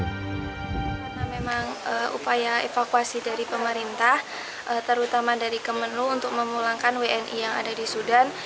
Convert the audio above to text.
karena memang upaya evakuasi dari pemerintah terutama dari kemenlu untuk memulangkan wni yang ada di sudan